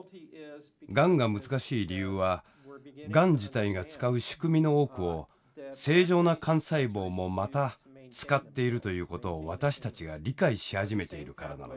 がんが難しい理由はがん自体が使う仕組みの多くを正常な幹細胞もまた使っているということを私たちが理解し始めているからなのです。